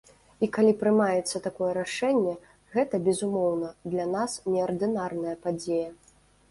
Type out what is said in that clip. І калі прымаецца такое рашэнне, гэта, безумоўна, для нас неардынарная падзея.